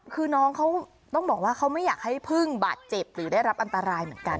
คือน้องเขาต้องบอกว่าเขาไม่อยากให้พึ่งบาดเจ็บหรือได้รับอันตรายเหมือนกัน